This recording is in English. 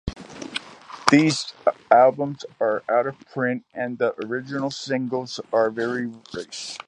These albums are out of print and the original singles are very rare.